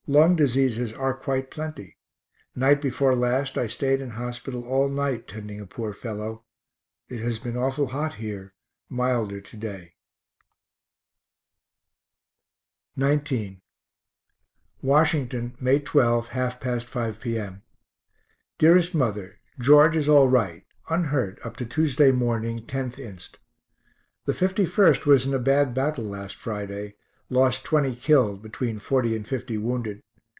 Lung diseases are quite plenty night before last I staid in hospital all night tending a poor fellow. It has been awful hot here milder to day. XIX [Washington] May 12, 1/2 past 5 p.m. DEAREST MOTHER George is all right, unhurt, up to Tuesday morning, 10th inst. The 51st was in a bad battle last Friday; lost 20 killed, between 40 and 50 wounded.